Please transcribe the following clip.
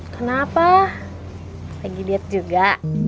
kenapa lagi diet juga